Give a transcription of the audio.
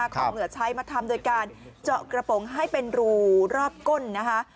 ของเหลือใช้มาทำโดยการเจาะกระโปรงให้เป็นรูรอบก้นนะคะ